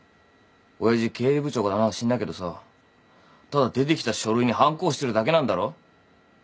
親父経理部長か何か知んないけどさただ出てきた書類にはんこ押してるだけなんだろ？